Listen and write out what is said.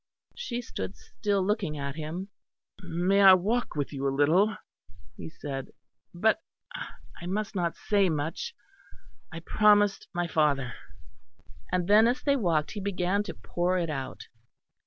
She stood still looking at him. "May I walk with you a little," he said, "but I must not say much I promised my father." And then as they walked he began to pour it out.